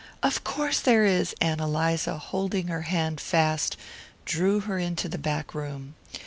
"Of course there is!" Ann Eliza, holding her hand fast, drew her into the back room.